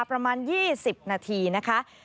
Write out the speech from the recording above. ประมาณ๒๐นาทีนะคะ